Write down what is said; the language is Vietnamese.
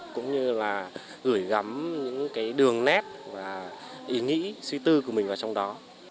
cũng như là gửi gắm những cái đường nét và ý nghĩ suy tư của mình vào trong đó